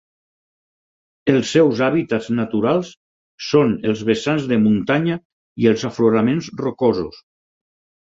Els seus hàbitats naturals són els vessants de muntanya i els afloraments rocosos.